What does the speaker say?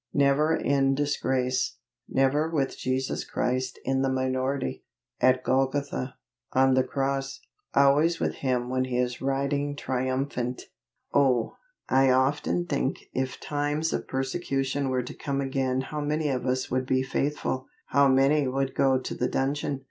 Never in disgrace; never with Jesus Christ in the minority, at Golgotha on the cross. Always with Him when He is riding triumphant! Oh, I often think if times of persecution were to come again how many of us would be faithful? How many would go to the dungeon?